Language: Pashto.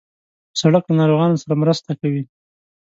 سړک له ناروغانو سره مرسته کوي.